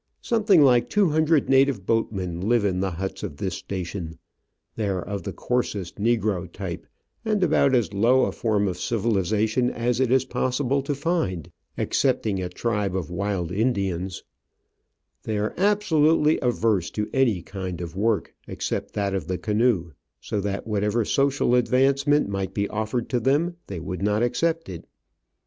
Some thing like two hundred native boatmen live in the huts of this sta^ tion. They are of the coarsest negro type, and about as low a form of civilisation as it is possible to find, excepting a tribe of wild NATIVE BOATMAN. Digitized by VjOOQIC OF AN Orchid Hunter. 87 Indians. They are absolutely averse to any kind of work except that of the canoe, so that whatever social advancement might be offered to them they would not accept it.